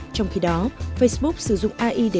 trong khi đó facebook sử dụng ai để phát hiện